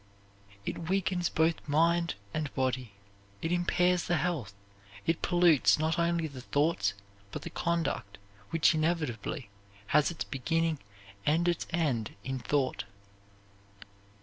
It weakens both mind and body. It impairs the health. It pollutes not only the thoughts but the conduct which inevitably has its beginning and its end in thought.